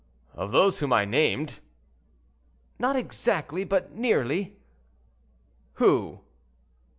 "Of those whom I named?" "Not exactly, but nearly." "Who?"